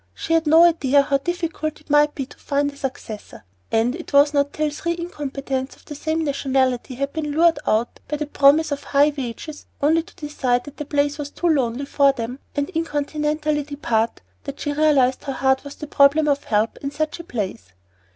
She had no idea how difficult it might be to find a successor, and it was not till three incompetents of the same nationality had been lured out by the promise of high wages, only to decide that the place was too "lonely" for them and incontinently depart, that she realized how hard was the problem of "help" in such a place.